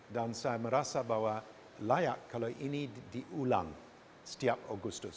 dan saya merasa bahwa layak kalau ini diulang setiap agustus